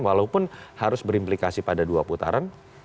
walaupun harus berimplikasi pada dua putaran